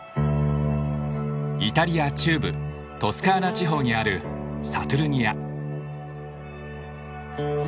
イタリア中部トスカーナ地方にあるサトゥルニア。